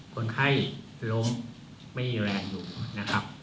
คนไข้ล้มไม่มีแรงอยู่นะครับ